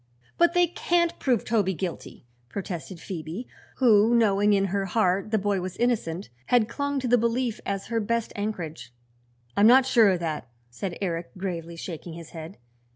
"But they can't prove Toby guilty!" protested Phoebe, who knowing in her heart the boy was innocent, had clung to the belief as her best anchorage. "I'm not sure of that," said Eric, gravely shaking his head.